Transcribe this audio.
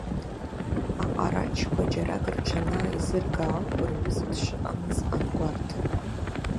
Аҟарачқәа џьарак рҽанааизырга ауп рҩыза дшыҟамыз ангәарҭа.